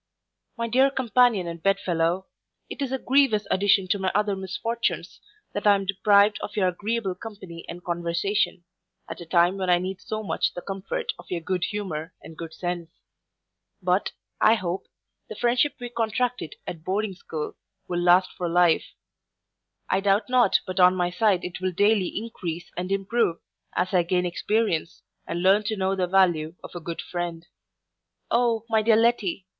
My dear companion and bed fellow, it is a grievous addition to my other misfortunes, that I am deprived of your agreeable company and conversation, at a time when I need so much the comfort of your good humour and good sense; but, I hope, the friendship we contracted at boarding school, will last for life I doubt not but on my side it will daily increase and improve, as I gain experience, and learn to know the value of a true friend. O, my dear Letty!